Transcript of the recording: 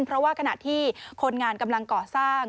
เพราะว่าขณะที่คนงานกำลังก่อสร้าง